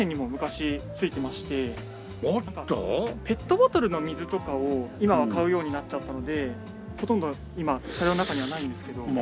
ペットボトルの水とかを今は買うようになっちゃったのでほとんど今車両の中にはないんですけど。